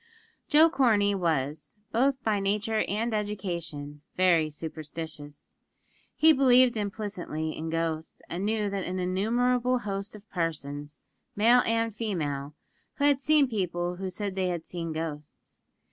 Joe Corney was, both by nature and education, very superstitious. He believed implicitly in ghosts, and knew an innumerable host of persons, male and female, who had seen people who said they had seen ghosts.